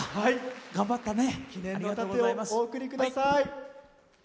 頑張ったね。